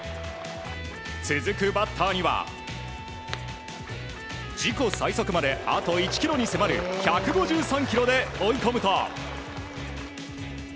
続くバッターには自己最速まであと１キロに迫る１５３キロで追い込むと。